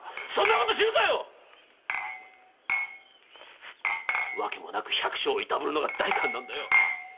そんなこと知るかよっ‼わけもなく百姓をいたぶるのが代官なんだよ。